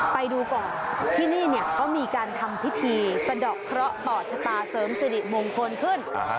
ไปดูก่อนที่นี่เขามีการทำพิธีสะดอกเคราะห์ต่อชะตาเสริมสิริมงคลขึ้น